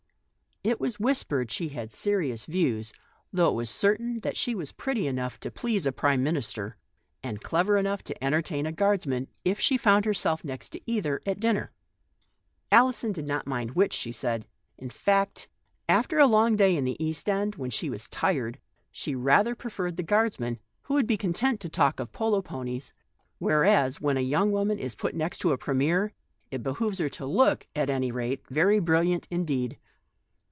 It was whis pered that she had serious views, though it was certain that she was pretty enough to please a Prime Minister and clever enough to entertain a guardsman, if she found herself next to either at dinner. Alison did not mind which, she said ; in fact, after a long ALISON. 51 day in the East End, when she was tired, she rather preferred the guardsman, who would be content to talk of polo ponies, whereas when a young woman is put next to a Premier, it behooves her to look, at any rate, very brilliant indeed.